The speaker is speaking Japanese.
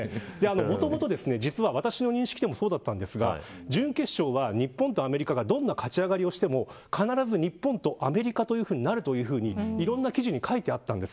もともと私の認識でもそうだったんですが準決勝は日本とアメリカがどんな勝ち上がりをしても必ず日本とアメリカというふうになるといろんな記事に書いてあったんです。